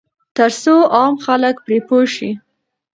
ترڅو عام خلک پرې پوه شي.